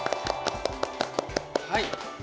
はい。